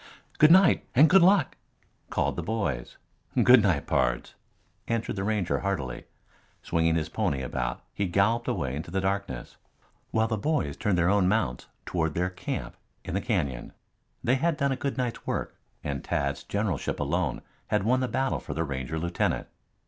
"Good night and good luck!" called the boys. "Good night, pards," answered the Ranger heartily. Swinging his pony about he galloped away into the darkness, while the boys turned their own mounts toward their camp in the canyon. They had done a good night's work and Tad's generalship alone had won the battle for the Ranger lieutenant.